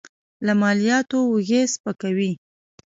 له مالیاتو اوږې سپکوي.